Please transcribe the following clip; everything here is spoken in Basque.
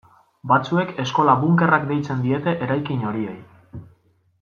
Batzuek eskola-bunkerrak deitzen diete eraikin horiei.